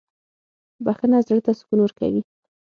• بخښنه زړه ته سکون ورکوي.